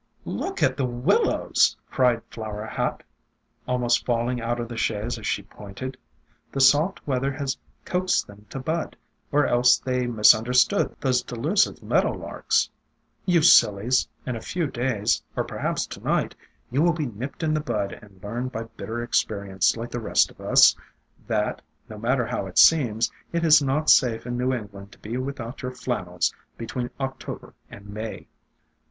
"Look at the Willows," cried Flower Hat, al most falling out of the chaise as she pointed. "The soft weather has coaxed them to bud, or else they misunderstood those delusive meadow larks. You sillies ! In a few days, or perhaps to night, you will be nipped in the bud and learn by bitter experience, like the rest of us, that, no matter how it seems, it is not safe in New England to be without your flannels between October and May."